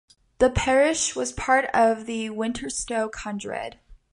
The parish was part of the Winterstoke Hundred.